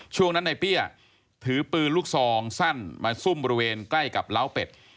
ช่วงนั้นในเปี้ยถือปืนลูกซองสั้นมาซุ่มบริเวณใกล้กับล้าวเป็ด